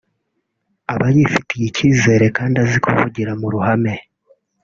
aba yifiye icyizere kandi azi kuvugira mu ruhame